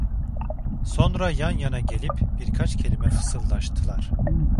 Sonra yan yana gelip birkaç kelime fısıldaştılar.